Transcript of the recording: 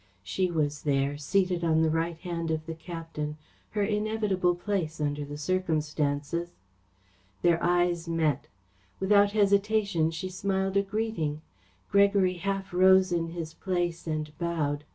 She was there, seated on the right hand of the captain, her inevitable place under the circumstances. Their eyes met. Without hesitation she smiled a greeting. Gregory half rose in his place and bowed.